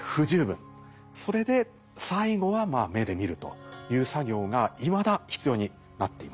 それで最後は目で見るという作業がいまだ必要になっています。